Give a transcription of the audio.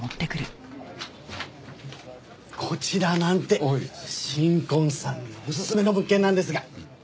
こちらなんて新婚さんにおすすめの物件なんですが。